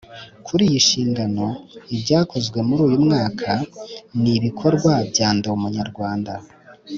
Kuri iyi nshingano ibyakozwe muri uyu mwaka ni ibikorwa bya ndi umunyarwanda